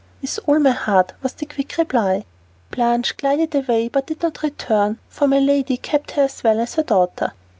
"With all my heart" was the quick reply. Blanche glided away but did not return, for my lady kept her as well as her daughter.